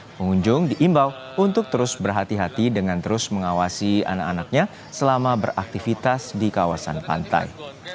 pengunjung diimbau untuk terus berhati hati dengan terus mengawasi anak anaknya selama beraktivitas di kawasan pantai